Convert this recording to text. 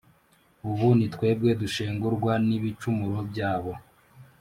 ubu ni twebwe dushengurwa n’ibicumuro byabo.